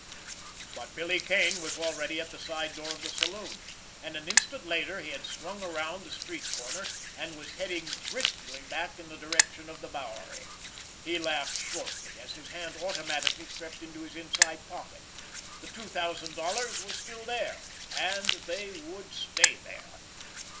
But Billy Kane was already at the side door of the saloon—and an instant later he had swung around the street corner, and was heading briskly back in the direction of the Bowery. He laughed shortly, as his hand automatically crept into his inside pocket. The two thousand dollars were still there—and they would stay there!